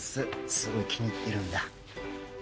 すごい気に入ってるんだ。